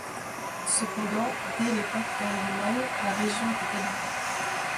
Cependant, dès l'époque gallo-romaine, la région était habitée.